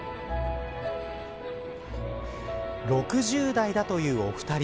６０代だというお二人。